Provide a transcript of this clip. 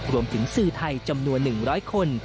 รวมถึงซื้อไทยจำนวน๑๐๐คน